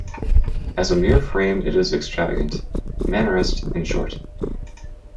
As a mere frame it is extravagant: Mannerist, in short.